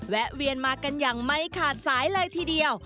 แวนมากันอย่างไม่ขาดสายเลยทีเดียว